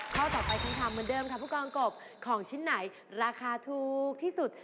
ข้อต่อไปคำถามเหมือนเดิมค่ะผู้กองกบของชิ้นไหนราคาถูกที่สุด